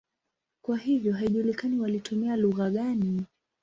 Kwa hiyo haijulikani walitumia lugha gani.